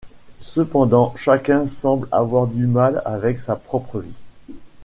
Cependant chacun semble avoir du mal avec sa propre vie.